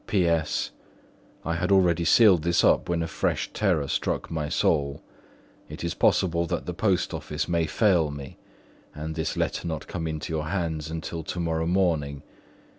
"P.S.—I had already sealed this up when a fresh terror struck upon my soul. It is possible that the post office may fail me, and this letter not come into your hands until to morrow morning.